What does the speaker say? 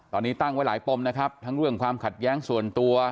ตอนนี้ตั้งไว้หลายปมนะครับแหละการขัดแย้งส่วนตัว